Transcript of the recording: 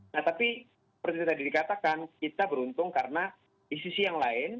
nah tapi seperti tadi dikatakan kita beruntung karena di sisi yang lain